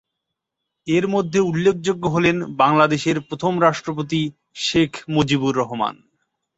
এর মধ্যে উল্লেখযোগ্য হলেন বাংলাদেশের প্রথম রাষ্ট্রপতি শেখ মুজিবুর রহমান।